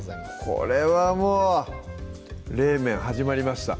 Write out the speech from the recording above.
これはもう冷麺はじまりました